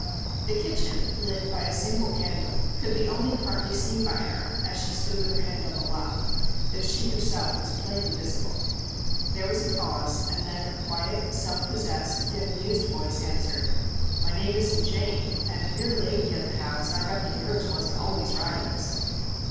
The kitchen, lit by a single candle, could be only partly seen by her as she stood with her 12 MR. JACK HAMLIN'S MEDIATION hand on the lock, although she herself was plainly visible. There was a pause, and then a quiet, self possessed, yet amused voice answered ' My name isn't Jane, and if you 're the lady of the house, I reckon yours wasn't always Rylands.'